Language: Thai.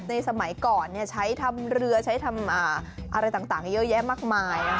สมัยก่อนใช้ทำเรือใช้ทำอะไรต่างเยอะแยะมากมาย